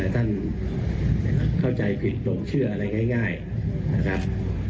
ท่านเข้าใจผิดหลงเชื่ออะไรง่ายนะครับ